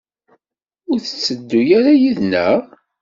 Ur tetteddu ara yid-neɣ?